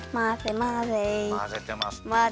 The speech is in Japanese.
まぜてます。